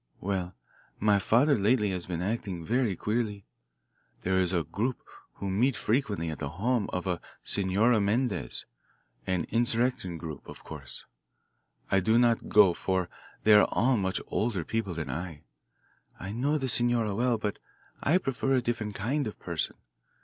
Well, my father lately has been acting very queerly. There is a group who meet frequently at the home of a Senora Mendez an insurrecto group, of course. I do not go, for they are all much older people than I. I know the senora well, but I prefer a different kind of person.